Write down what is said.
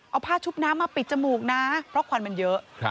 เอาผ้าชุบน้ำมาปิดจมูกนะเพราะควันมันเยอะ